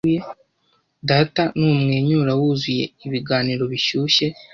data numwenyura wuzuye ibiganiro bishyushye